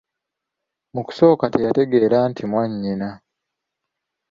Mu kusooka teyategeera nti mwanyina.